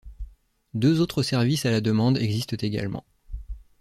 Deux autres services à la demande existent également.